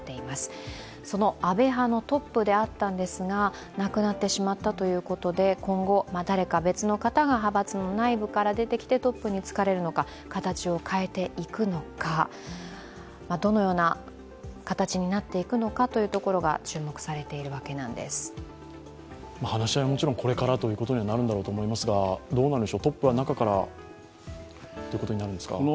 その安倍派のトップであったんですが亡くなってしまったということで今後誰か別の方が、派閥の内部から出てきて、トップに就かれるのか形を変えていくのか、どのような形になっていくのかというところが話し合いはもちろんこれからということになるかと思いますが、トップは中からということになりますか？